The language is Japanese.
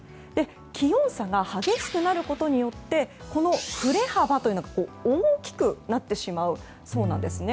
気温差が激しくなることによってこの振れ幅が大きくなってしまうそうなんですね。